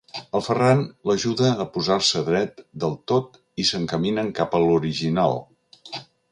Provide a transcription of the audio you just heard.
El Ferran l'ajuda a posar-se dret del tot i s'encaminen cap a l'Horiginal.